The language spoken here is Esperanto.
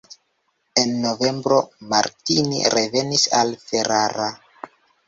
En novembro Martini revenis al Ferrara.